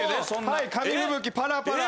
はい紙吹雪パラパラ。